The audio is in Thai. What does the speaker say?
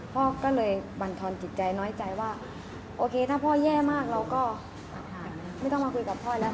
พ่อก็เลยบรรทอนจิตใจน้อยใจว่าโอเคถ้าพ่อแย่มากเราก็ไม่ต้องมาคุยกับพ่อแล้ว